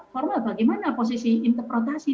formal bagaimana posisi interpretasi